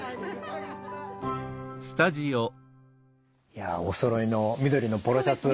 いやおそろいの緑のポロシャツ。